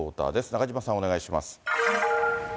中島さん、お願いします。